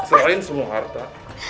diserahin semua harta